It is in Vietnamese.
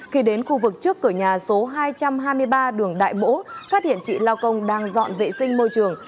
khi đến khu vực trước cửa nhà số hai trăm hai mươi ba đường đại mỗ phát hiện chị lao công đang dọn vệ sinh môi trường